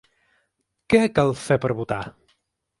Què cal fer per votar?